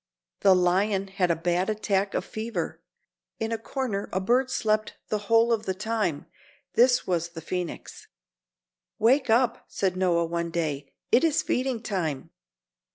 The lion had a bad attack of fever. In a corner a bird slept the whole of the time. This was the phoenix. "Wake up," said Noah, one day. "It is feeding time."